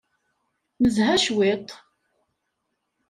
Nezha cwiṭ.